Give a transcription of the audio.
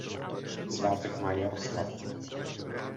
Svátek má Jaroslava.